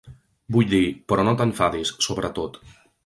Vull dir... però no t'enfadis, sobre tot...